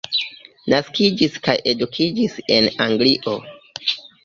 Naskiĝis kaj edukiĝis en Anglio.